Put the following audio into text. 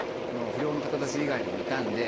不良の方たち以外にもいたんで。